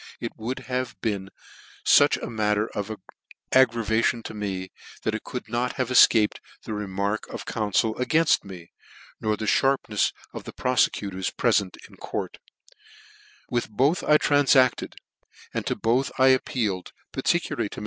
it would have been fuch a matter of aggra vation to me, that it could not have cfcaped the remark of the council againft me, nor the fharp nefs of the profecutors prefent in court j with both I tranlacted, and to both I appealed, particular X 2 Jy 164 NEW NEWGATE CALENDAR.